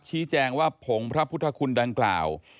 ชี้แจงว่าผงพระพุทธคุณดังกล่าว